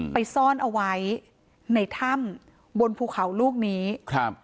ไปซ่อนเอาไว้ในถ้ำบนภูเขาลูกนี้ครับ